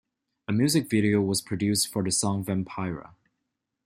A music video was produced for the song "Vampira".